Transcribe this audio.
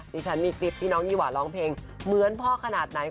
ดิฉันมีคลิปที่น้องยี่หวาร้องเพลงเหมือนพ่อขนาดไหน